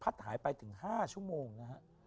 หายไปถึง๕ชั่วโมงนะฮะ